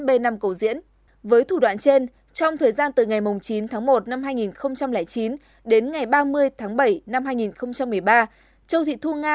b năm cầu diễn với thủ đoạn trên trong thời gian từ ngày chín một hai nghìn chín đến ngày ba mươi bảy hai nghìn một mươi ba châu thị thu nga